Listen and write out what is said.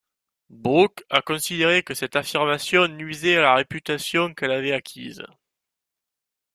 Brooke a considéré que cette affirmation nuisait à la réputation qu'elle avait acquise.